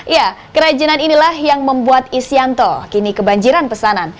ya kerajinan inilah yang membuat isyanto kini kebanjiran pesanan